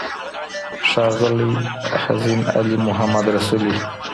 ښاغلى حزين علي محمد رسولي